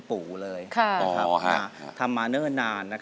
เพื่อจะไปชิงรางวัลเงินล้าน